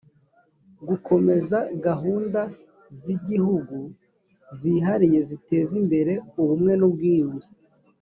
gukomeza gahunda z’igihugu zihariye ziteza imbere ubumwe n’ubwiyunge